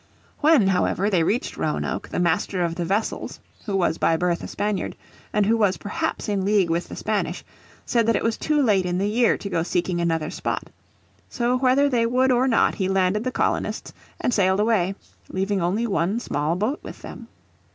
When, however, they reached Roanoke the Master of the vessels, who was by birth a Spaniard, and who was perhaps in league with the Spanish, said that it was too late in the year to go seeking another spot. So whether they would or not he landed the colonists, and sailed away, leaving only one small boat with them.